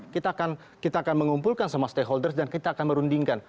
kita akan mengumpulkan semua stakeholders dan kita akan merundingkan